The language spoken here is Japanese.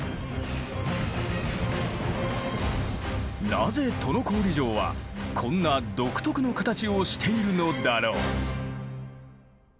なぜ都於郡城はこんな独特の形をしているのだろう？